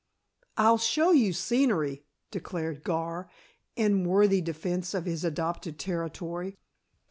"I'll show you scenery," declared Gar in worthy defense of his adopted territory.